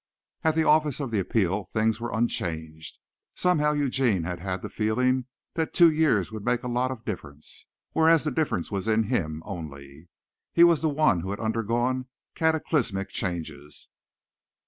At the office of the Appeal things were unchanged. Somehow Eugene had had the feeling that two years would make a lot of difference, whereas the difference was in him only. He was the one who had undergone cataclysmic changes.